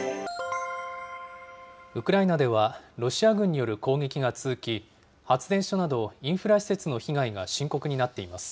ウクライナでは、ロシア軍による攻撃が続き、発電所などインフラ施設の被害が深刻になっています。